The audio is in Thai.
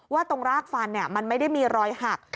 ตรงรากฟันมันไม่ได้มีรอยหัก